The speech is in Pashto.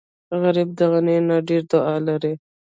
غریب د غني نه ډېره دعا لري